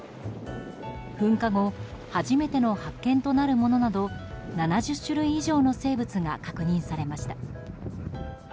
噴火後初めての発見となるものなど７０種類以上の生物が確認されました。